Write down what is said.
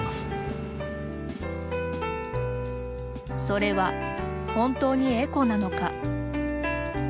それは本当にエコなのか。